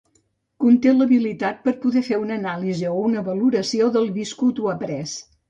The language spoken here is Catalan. Conté l'habilitat per poder fer una anàlisi o una valoració del viscut o après.